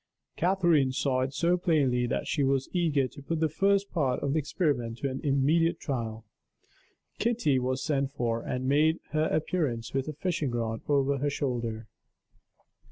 Catherine saw it so plainly that she was eager to put the first part of the experiment to an immediate trial. Kitty was sent for, and made her appearance with a fishing rod over her shoulder.